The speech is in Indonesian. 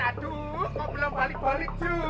aduh kamu belum balik balik juga